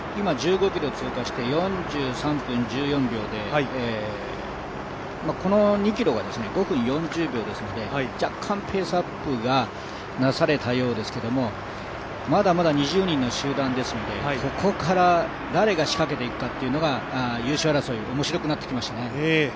今１５ｋｍ通過して４３分１４秒でこの２ｋｍが５分４０秒ですので若干ペースアップがなされたようですけれども、まだまだ２０人の集団ですので、ここから誰が仕掛けていくかというのが優勝争い面白くなってきましたね。